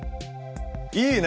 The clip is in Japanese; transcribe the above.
いいね！